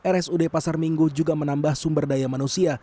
rsud pasar minggu juga menambah sumber daya manusia